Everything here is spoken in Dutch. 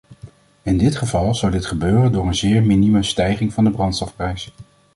In dit geval zou dit gebeuren door een zeer minieme stijging van de brandstofprijs.